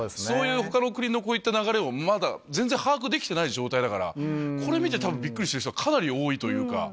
そういうほかの国のこういった流れを、まだ全然把握できてない状態だから、これ見てたぶん、びっくりしてる人、かなり多いというか。